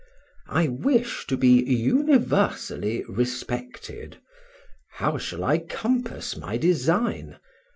I wish to be universally respected; how shall I compass my design?